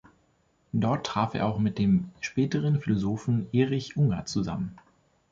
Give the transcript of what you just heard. Dort traf er auch mit dem späteren Philosophen Erich Unger zusammen.